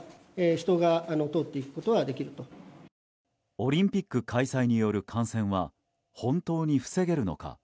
オリンピック開催による感染は本当に防げるのか。